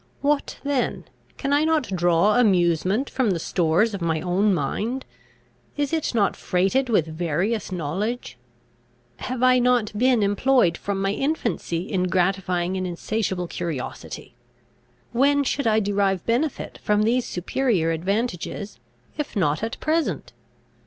What then? Can I not draw amusement from the stores of my own mind? Is it not freighted with various knowledge? Have I not been employed from my infancy in gratifying an insatiable curiosity? When should I derive benefit from these superior advantages, if not at present?"